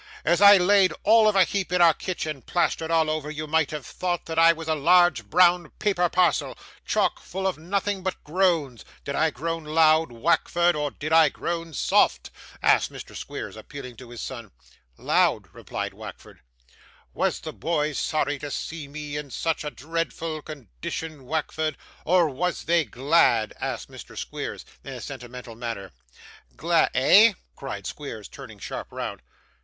As I laid all of a heap in our kitchen, plastered all over, you might have thought I was a large brown paper parcel, chock full of nothing but groans. Did I groan loud, Wackford, or did I groan soft?' asked Mr. Squeers, appealing to his son. 'Loud,' replied Wackford. 'Was the boys sorry to see me in such a dreadful condition, Wackford, or was they glad?' asked Mr. Squeers, in a sentimental manner. 'Gl ' 'Eh?' cried Squeers, turning sharp round.